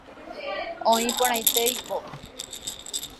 Japracticáma.